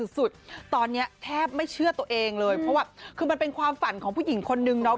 สุดตอนนี้แทบไม่เชื่อตัวเองเลยเพราะว่าคือมันเป็นความฝันของผู้หญิงคนนึงเนาะ